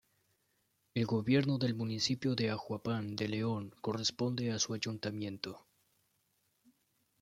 El gobierno del municipio de Huajuapan de León corresponde a su ayuntamiento.